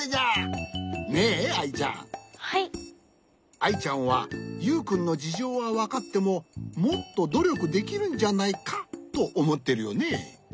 アイちゃんはユウくんのじじょうはわかってももっとどりょくできるんじゃないかとおもってるよね。